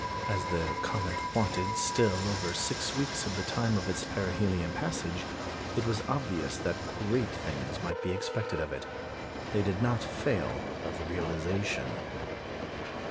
As the comet wanted still over six weeks of the time of its perihelion passage, it was obvious that great things might be expected of it. They did not fail of realisation.